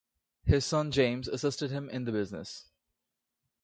His son James assisted him in the business.